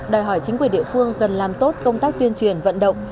đòi hỏi chính quyền địa phương cần làm tốt công tác tuyên truyền vận động